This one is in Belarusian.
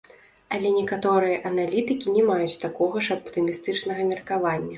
Але некаторыя аналітыкі не маюць такога ж аптымістычнага меркавання.